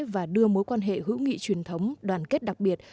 và đưa mối quan hệ hữu nghị truyền thống đoàn kết đặc biệt